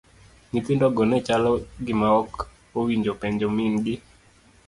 Nyithindo go nechalo gima ok owinjo penjo min gi.